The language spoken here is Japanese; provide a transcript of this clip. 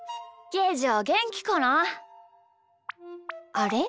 あれ？